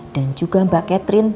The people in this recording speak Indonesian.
dan juga mbak catherine